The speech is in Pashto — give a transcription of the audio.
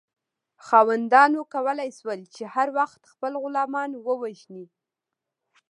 خاوندانو کولی شول چې هر وخت خپل غلامان ووژني.